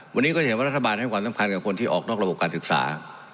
วันนี้ก็จะเห็นว่ารัฐบาลให้ความสำคัญกับคนที่ออกนอกระบบการศึกษา